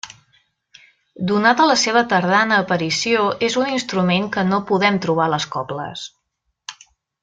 Donada la seva tardana aparició és un instrument que no podem trobar a les cobles.